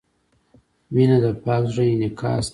• مینه د پاک زړۀ انعکاس دی.